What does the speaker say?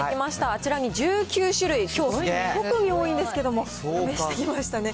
あちらに１９種類、きょう特に多いんですけど、試してきましたね。